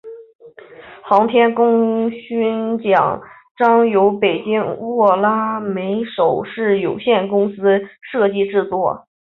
航天功勋奖章由北京握拉菲首饰有限公司设计制作。